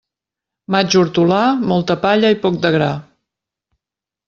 Maig hortolà, molta palla i poc de gra.